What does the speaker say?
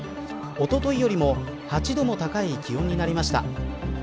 おとといよりも８度も高い気温になりました。